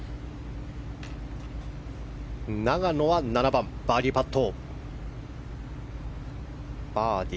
永野は７番、バーディーパット。